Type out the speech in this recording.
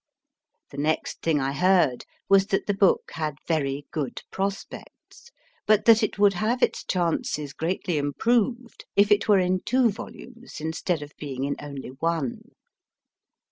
The next thing I heard was that the book had very LONG LEGGED SOLDIERS 252 MY FIRST BOOK good prospects, but that it would have its chances greatly improved if it were in two volumes instead of being in only one.